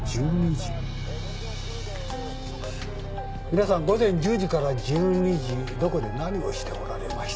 皆さん午前１０時から１２時どこで何をしておられましたかね？